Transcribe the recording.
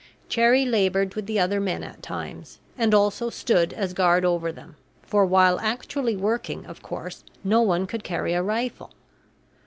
Cherrie labored with the other men at times, and also stood as guard over them, for, while actually working, of course no one could carry a rifle.